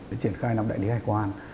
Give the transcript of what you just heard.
để triển khai làm đại lý hải quan